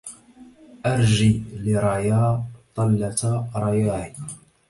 أرج لريا طلة رياه